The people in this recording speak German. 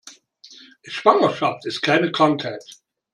Schwangerschaft ist keine Krankheit.